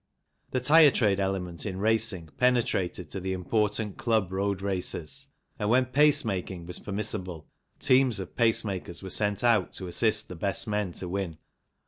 The tyre trade element in racing penetrated to the important club road races, and when pace making was permissible teams of pace makers were sent out to assist the best men to win.